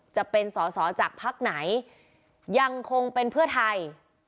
จะเป็นสอสอจากภักดิ์ไหนยังคงเป็นเพื่อไทย